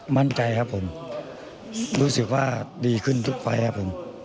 มั่นใจครับผมรู้สึกว่าดีขึ้นทุกไฟล์ครับผม